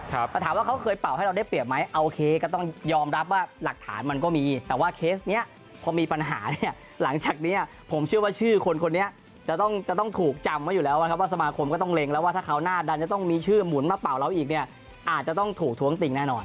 แต่ถามว่าเขาเคยเป่าให้เราได้เปรียบไหมโอเคก็ต้องยอมรับว่าหลักฐานมันก็มีแต่ว่าเคสเนี้ยพอมีปัญหาเนี่ยหลังจากนี้ผมเชื่อว่าชื่อคนคนนี้จะต้องจะต้องถูกจำไว้อยู่แล้วนะครับว่าสมาคมก็ต้องเล็งแล้วว่าถ้าเขาหน้าดันจะต้องมีชื่อหมุนมาเป่าเราอีกเนี่ยอาจจะต้องถูกท้วงติงแน่นอน